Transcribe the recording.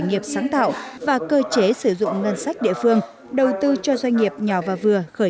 nghiệp sáng tạo và cơ chế sử dụng ngân sách địa phương đầu tư cho doanh nghiệp nhỏ và vừa khởi